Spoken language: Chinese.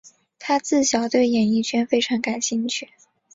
她自小对演艺圈非常感兴趣。